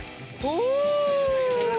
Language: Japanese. お！